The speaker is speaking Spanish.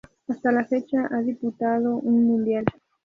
Hasta la fecha ha diputado un mundial.